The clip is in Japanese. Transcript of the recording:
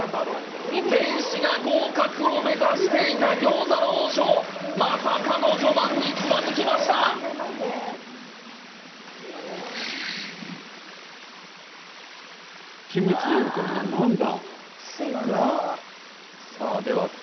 全品合格を目指していた餃子の王将まさかの序盤につまずきました何だ？